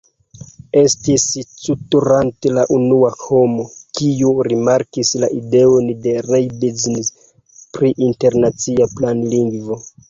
Estis Couturat la unua homo, kiu rimarkis la ideojn de Leibniz pri internacia planlingvo.